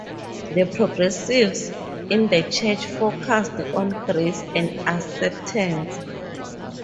The progressives in the church focused on grace and acceptance.